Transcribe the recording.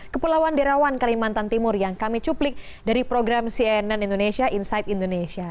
kepulauan derawan kalimantan timur yang kami cuplik dari program cnn indonesia insight indonesia